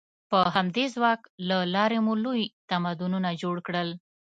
د همدې ځواک له لارې مو لوی تمدنونه جوړ کړل.